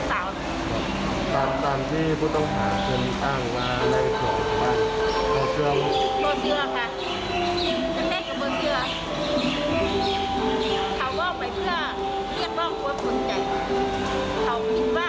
ค่ะคนสาวพี่เพื่อนอื่นนะ